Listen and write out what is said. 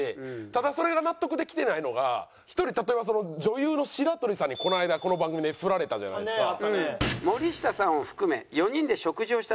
ただそれが納得できてないのが１人例えばその女優の白鳥さんにこの間この番組でフラれたじゃないですか。